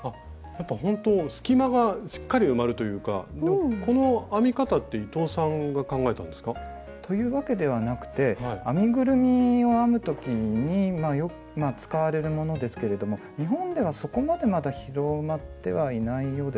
ほんと隙間がしっかり埋まるというかこの編み方って伊藤さんが考えたんですか？というわけではなくて編みぐるみを編む時に使われるものですけれども日本ではそこまでまだ広まってはいないようですね。